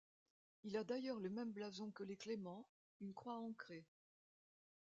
Il a d'ailleurs le même blason que les Clément, une croix ancrée.